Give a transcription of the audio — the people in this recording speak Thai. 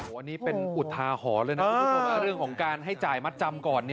วันนี้เป็นอุทาหรณ์เลยนะคุณผู้ชมว่าเรื่องของการให้จ่ายมัดจำก่อน